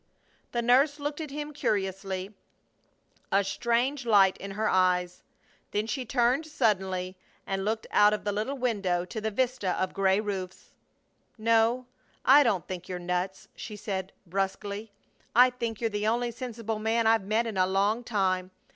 The nurse looked at him curiously, a strange light in her eyes. Then she turned suddenly and looked out of the little window to the vista of gray roofs. "No! I don't think you're nuts!" she said, brusquely. "I think you're the only sensible man I've met in a long time.